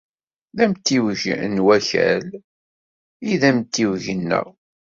D amtiweg n Wakal ay d amtiweg-nneɣ.